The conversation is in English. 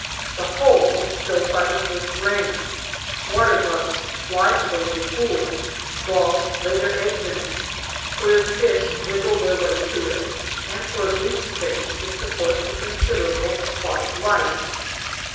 The hole is filled by the first rain; water bugs fly to the little pool, frogs lay their eggs in it, queer fish wriggle their way to it and for a brief space it supports a considerable aquatic life.